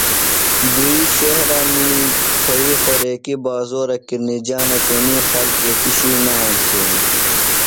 دُئی شہرہ می کھیئی خوریکیۡ بازورہ کِرنِجانہ تنی خل ایتیۡ شُوئی نہ ہنسینیۡ۔